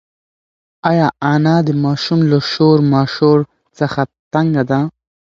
ایا انا د ماشوم له شور ماشور څخه تنگه ده؟